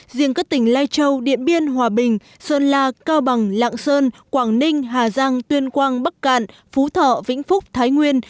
riêng các tỉnh lai châu điện biên hòa bình sơn la cao bằng lạng sơn quảng ninh hà giang tuyên quang bắc cạn phú thọ vĩnh phúc thái nguyên